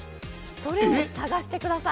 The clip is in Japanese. それを探してください。